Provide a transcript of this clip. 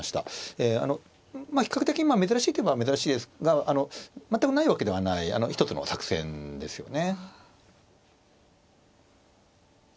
ええあのまあ比較的珍しいっていえば珍しいですが全くないわけではない一つの作戦ですよね。